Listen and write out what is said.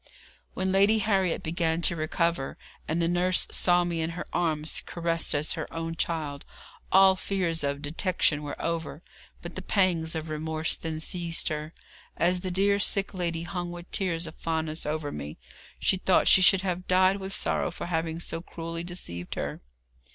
When Lady Harriet began to recover, and the nurse saw me in her arms caressed as her own child, all fears of detection were over; but the pangs of remorse then seized her. As the dear sick lady hung with tears of fondness over me, she thought she should have died with sorrow for having so cruelly deceived her.